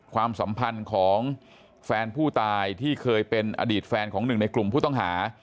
ความสัมพันธ์ของแฟนผู้ตายที่เคยเป็นอดีตแฟนของหนึ่งในกลุ่มผู้ต้องหา